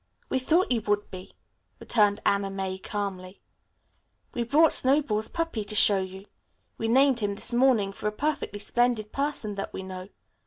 "We thought you would be," returned Anna May calmly. "We brought Snowball's puppy to show you. We named him this morning for a perfectly splendid person that we know.